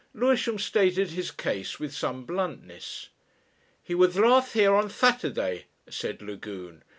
Lewisham stated his case with some bluntness. "He was last here on Saturday," said Lagune.